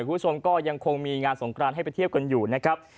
คุณผู้ชมก็ยังคงมีงานสงครานให้ไปเที่ยวกันอยู่นะครับ